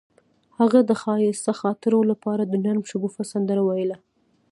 هغې د ښایسته خاطرو لپاره د نرم شګوفه سندره ویله.